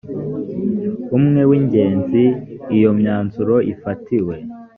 umwe w ingenzi iyo imyanzuro ifatiwe